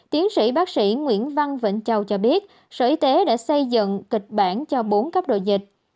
tiến sĩ bác sĩ nguyễn văn vĩnh châu cho biết sở y tế đã xây dựng kịch bản cho bốn cấp độ dịch